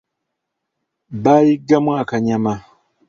Bayiggamu akanyama.